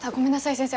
先生